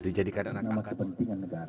menjadi keadaan akademi